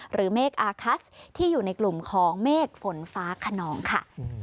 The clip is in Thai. เมฆอาคัสที่อยู่ในกลุ่มของเมฆฝนฟ้าขนองค่ะ